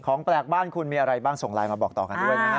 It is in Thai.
แปลกบ้านคุณมีอะไรบ้างส่งไลน์มาบอกต่อกันด้วยนะฮะ